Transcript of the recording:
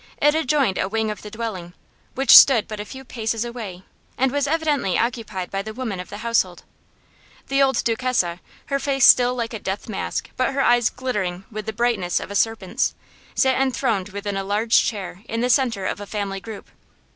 It adjoined a wing of the dwelling, which stood but a few paces away and was evidently occupied by the women of the household. The old Duchessa, her face still like a death mask but her eyes glittering with the brightness of a serpent's, sat enthroned within a large chair in the center of a family group.